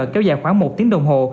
kéo dài khoảng một tiếng đồng hồ